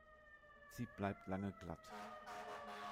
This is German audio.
Sie bleibt lange glatt.